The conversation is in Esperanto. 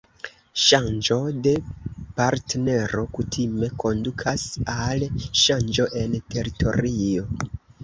Ŝanĝo de partnero kutime kondukas al ŝanĝo en teritorio.